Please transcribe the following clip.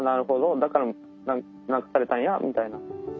だからながされたんや」みたいな。